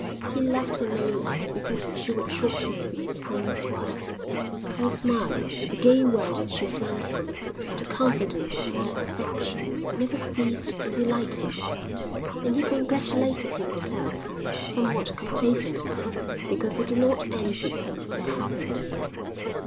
He loved her no less because she would shortly be his friend's wife; her smile, a gay word she flung him, the confidence of her affection, never ceased to delight him; and he congratulated himself, somewhat complacently, because he did not envy them their happiness.